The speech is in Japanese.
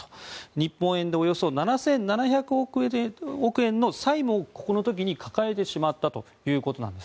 日本円でおよそ７７００億円の債務をこの時に抱えてしまったということなんです。